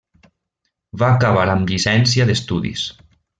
Va acabar amb llicència d'estudis.